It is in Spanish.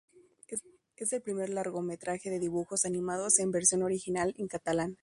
Es el primer largometraje de dibujos animados en versión original en catalán.